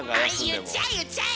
言っちゃえ言っちゃえ！